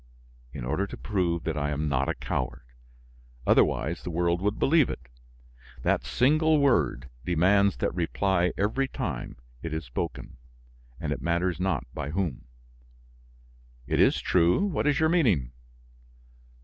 In order to prove that I am not a coward; otherwise, the world would believe it. That single word demands that reply every time it is spoken, and it matters not by whom." "It is true; what is your meaning?"